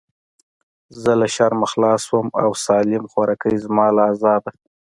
زه له شرمه خلاص سوم او سالم خواركى زما له عذابه.